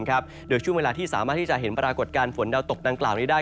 โดยช่วงเวลาที่สามารถที่จะเห็นปรากฏการณ์ฝนดาวตกดังกล่าวนี้ได้